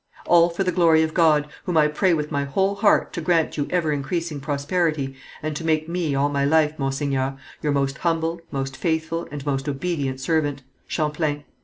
"All for the glory of God, whom I pray with my whole heart to grant you ever increasing prosperity, and to make me all my life, monseigneur, your most humble, most faithful and most obedient servant, "Champlain.